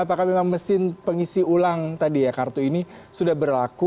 apakah memang mesin pengisi ulang kartu ini sudah berlaku